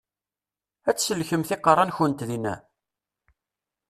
Ad tsellkemt iqeṛṛa-nkent dinna?